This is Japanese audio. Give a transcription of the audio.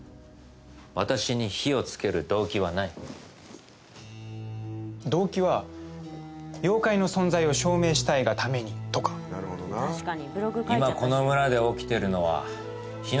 私に火をつける動機はない動機は妖怪の存在を証明したいがためにとか他にもどういうことですか？